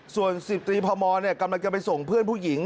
ส่วน๑๐ตรีพมกำลังจะไปส่งเพื่อนผู้หญิง